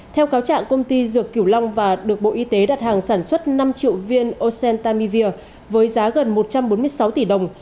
theo cáo trạng công ty dược kiểu long và được bộ y tế đặt hàng sản xuất năm triệu viên ocentamivir với giá gần một trăm bốn mươi sáu tỷ đồng